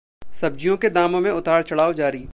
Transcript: सब्जियों के दामों में उतार चढ़ाव जारी